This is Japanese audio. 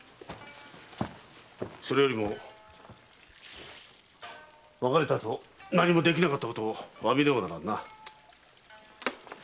それよりも別れたあと何もできなかったことを詫びねばならんな。